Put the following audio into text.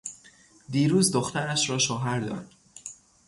دیروز دخترش را شوهر داد.